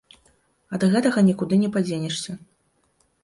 Ад гэтага нікуды не падзенешся.